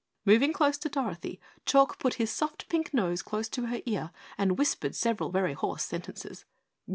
Moving close to Dorothy, Chalk put his soft pink nose close to her ear and whispered several very hoarse sentences.